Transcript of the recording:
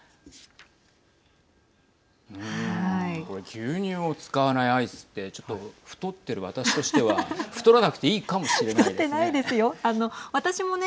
牛乳を使わないアイスって太っている私としては太らなくていいかもしれないですね。